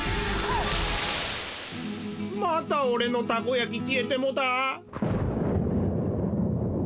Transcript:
またおれのたこやききえてもうた。